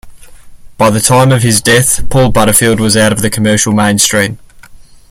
By the time of his death, Paul Butterfield was out of the commercial mainstream.